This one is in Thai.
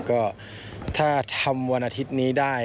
ก็ถ้าทำวันอาทิตย์นี้ได้